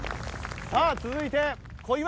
さあ続いて小祝